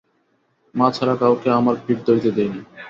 মা ছাড়া কাউকে আমার পিঠ ধরতে দিই না।